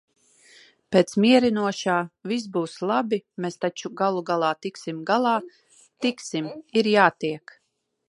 Pēc mierinošā "viss būs labi, mēs taču galu galā tiksim galā". Tiksim. Ir jātiek.